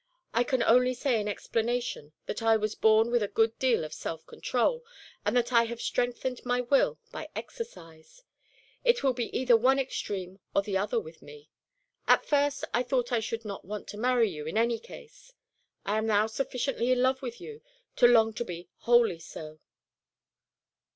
I can only say in explanation that I was born with a good deal of self control, and that I have strengthened my will by exercise. It would be either one extreme or the other with me. At first I thought I should not want to marry you in any case. I am now sufficiently in love with you to long to be wholly so."